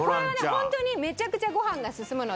ホントにめちゃくちゃご飯がすすむので。